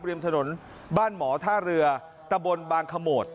ริมถนนบ้านหมอท่าเรือตะบนบางขโมด